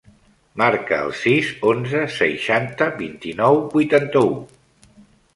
Marca el sis, onze, seixanta, vint-i-nou, vuitanta-u.